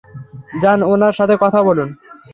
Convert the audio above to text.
যান উনার সাথে কথা বলুন।